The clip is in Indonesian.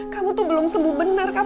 kamu tuh belum sembuh benar